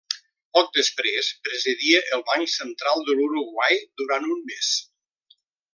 Poc després, presidia el Banc Central de l'Uruguai durant un mes.